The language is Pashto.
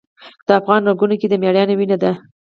د افغان رګونو کې د میړانې وینه ده.